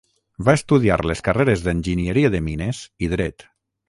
Va estudiar les carreres d'Enginyeria de Mines i Dret.